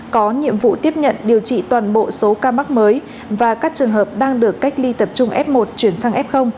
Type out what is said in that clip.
có nhiệm vụ tiếp nhận điều trị toàn bộ số ca mắc mới và các trường hợp đang được cách ly tập trung f một chuyển sang f